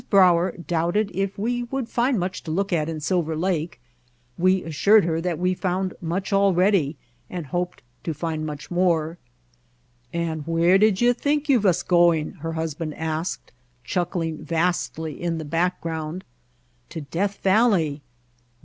Brauer doubted if we would find much to look at in Silver Lake. We assured her that we found much already and hoped to find much more. "And where did you think you vas going?" How We Found Mojave her husband asked, chuckling vastly in the back ground. ''To Death Valley."